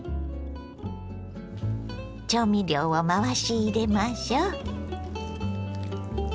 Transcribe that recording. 調味料を回し入れましょう。